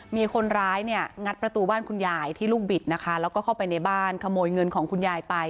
มีคนร้ายเนี่ยงัดประตูบ้านคุณยายที่ลูกบิดนะคะแล้วก็เข้าไปในบ้านขโมยเงินของคุณยายไป